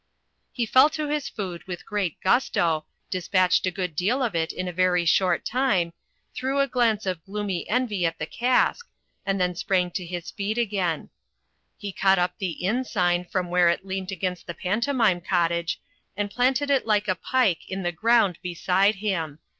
He fell to his food with great gusto, dispatched a good deal of it in a very short time, threw a glance of gloomy envy at the cask, and then sprang to his feet VEGETARIANISM IN THE FOREST 141 again. He caught up the mn sign from where it leant against the Pantomime Cottage, and planted it like a pike in the ground beside him.